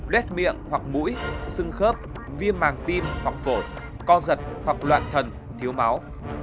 lét miệng hoặc mũi sưng khớp viêm màng tim hoặc phổi co giật hoặc loạn thần thiếu máu